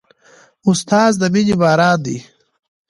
استاد د مینې باران دی.